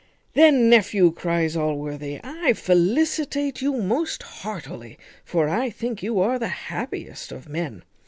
"Then, nephew," cries Allworthy, "I felicitate you most heartily; for I think you are the happiest of men.